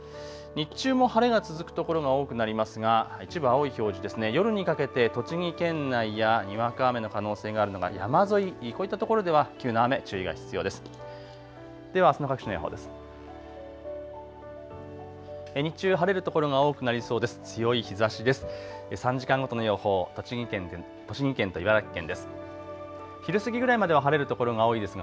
日中も晴れが続く所が多くなりますが一部青い表示、夜にかけて栃木県内やにわか雨の可能性があるのが山沿い、こういったところでは急な雨、注意が必要です。